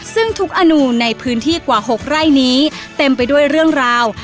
ซึ่งทุกอนูในพื้นที่กว่า๖ไร่นี้เต็มไปด้วยเรื่องราว